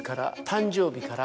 「誕生日から」